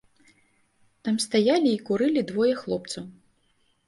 Там стаялі і курылі двое хлопцаў.